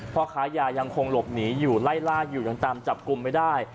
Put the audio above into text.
เพราะขายายังคงหลบหนีอยู่ไล่ล่าอยู่ตามจับกุมไม่ได้